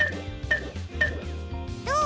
どう？